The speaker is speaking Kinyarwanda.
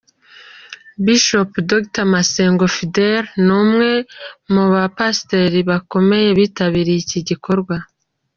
Bishop Dr Masengo Fidele ni umwe mu bapasiteri bakomeye bitabiriye iki gikorwa.